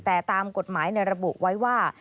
แต่ตามกฎหมายระบุไว้ว่า